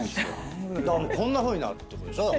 こんなふうになるってことでしょ？